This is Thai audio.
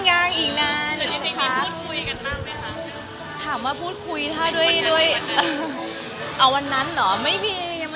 ก็ตกใจนิดนึงจริงแล้วมันไม่ใช่